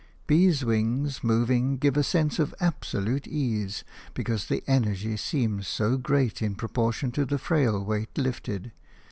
Bees' wings moving give a sense of absolute ease, because the energy seems so great in proportion to the frail weight lifted.